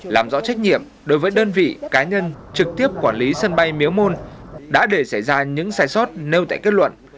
làm rõ trách nhiệm đối với đơn vị cá nhân trực tiếp quản lý sân bay miếu môn đã để xảy ra những sai sót nêu tại kết luận